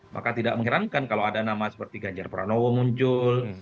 maka tidak mengherankan kalau ada nama seperti ganjar pranowo muncul